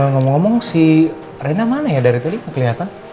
ngomong ngomong si rena mana ya dari tadi kelihatan